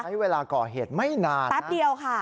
ใช้เวลาก่อเหตุไม่นานแป๊บเดียวค่ะ